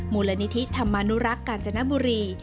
มูลนิธิธรรมนุรักษ์กาญจนบุรี